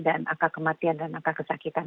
dan angka kematian dan angka kesakitan